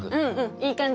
いい感じ？